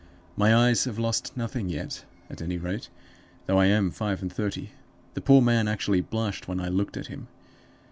My eyes have lost nothing yet, at any rate, though I am five and thirty; the poor man actually blushed when I looked at him!